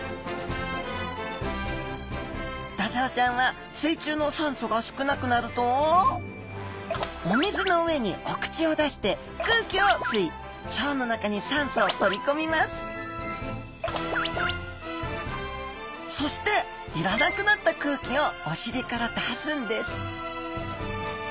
ドジョウちゃんは水中の酸素が少なくなるとお水の上にお口を出して空気を吸い腸の中に酸素を取り込みますそしていらなくなった空気をお尻から出すんです